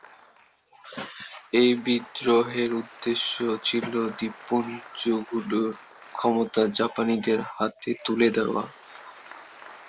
এই বিদ্রোহের উদ্দেশ্য ছিল দ্বীপগুলির ক্ষমতা জাপানিদের হাতে তুলে দেওয়া।